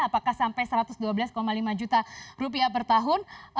apakah sampai satu ratus dua belas lima juta rupiah per tahun